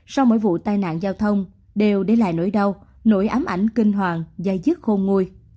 sau mỗi vụ tai nạn giao thông đều để lại nỗi đau nỗi ám ảnh kinh hoàng dài dứt khôn nguôi